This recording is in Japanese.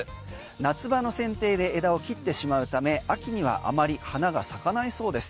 夏場のせん定で枝を切ってしまうため秋にはあまり花が咲かないそうです。